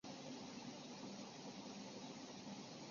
裂苞香科科为唇形科香科科属下的一个种。